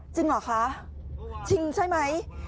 จริงเหรอคะจริงใช่ไหม